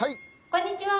こんにちは！